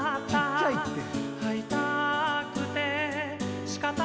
ちっちゃいって。